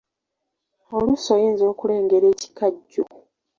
Oluusi oyinza okulengera ekikajjo.